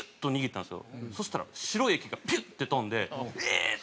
そしたら白い液がピュッて飛んでええー！って